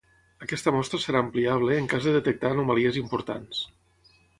Aquesta mostra serà ampliable en cas de detectar anomalies importants.